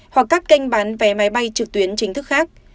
hoặc các kênh bán vé máy bay trực tuyến chính thức khác